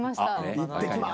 行ってきます！